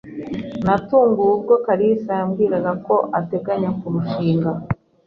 Natunguwe ubwo kalisa yambwiraga ko ateganya kurushinga.